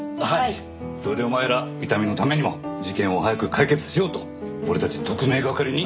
それでお前ら伊丹のためにも事件を早く解決しようと俺たち特命係に。